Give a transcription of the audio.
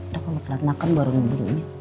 tau kalau kelak makan baru minum dulu ya